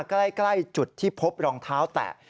ใกล้จุดที่พบรองเท้าแตะ